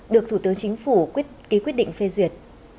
được thủ tướng chính phủ ký quyết định phê duyệt